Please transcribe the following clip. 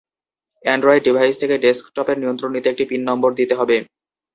Android device থেকে ডেস্কটপের নিয়ন্ত্রণ নিতে একটি পিন নম্বর দিতে হবে।